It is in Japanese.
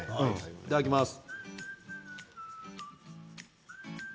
いただきます。